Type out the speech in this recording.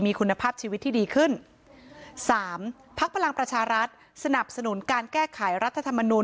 มีคุณภาพชีวิตที่ดีขึ้นสามพักพลังประชารัฐสนับสนุนการแก้ไขรัฐธรรมนูล